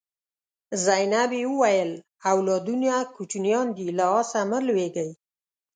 زینبې وویل اولادونه کوچنیان دي له آسه مه لوېږئ.